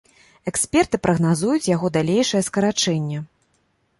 Эксперты прагназуюць яго далейшае скарачэнне.